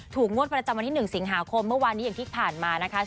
งวดประจำวันที่๑สิงหาคมเมื่อวานนี้อย่างที่ผ่านมานะคะ